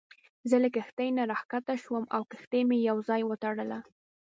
زه له کښتۍ نه راکښته شوم او کښتۍ مې په یوه ځای وتړله.